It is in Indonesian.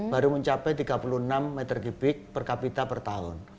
baru mencapai tiga puluh enam meter kubik per kapita per tahun